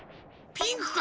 ピンクか？